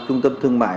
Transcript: trung tâm thương mại